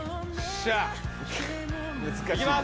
しゃあ、いきます。